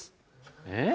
えっ？